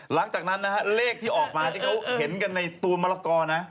หลังจากนั้นนะฮะเลขที่ออกมาที่เขาเห็นกันในตัวมะละกอนะ